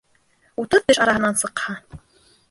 Утыҙ теш араһынан сыҡһа